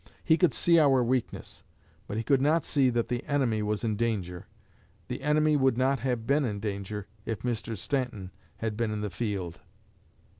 He could see our weakness, but he could not see that the enemy was in danger. The enemy would not have been in danger if Mr. Stanton had been in the field."